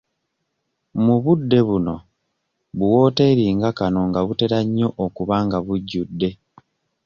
Mu budde buno bu wooteeri nga kano nga butera nnyo okuba nga bujjudde.